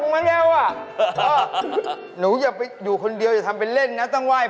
พี่หนูยังแล้วมันผีเข้าสิงหนูไหม